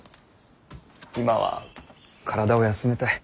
今は体を休めたい。